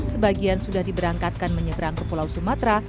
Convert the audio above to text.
sebagian sudah diberangkatkan menyeberang ke pulau sumatera